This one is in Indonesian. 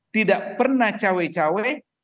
tidak pernah cawe cawe